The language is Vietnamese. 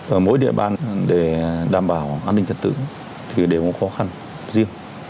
ở mỗi địa bàn để đảm bảo an ninh thật tự thì đều có khó khăn riêng